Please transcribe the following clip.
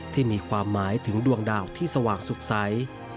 ที่มีความหมายถึงดวงดาวที่สว่างสุขใส